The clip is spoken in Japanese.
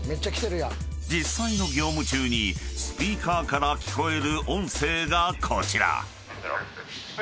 ［実際の業務中にスピーカーから聞こえる音声がこちら］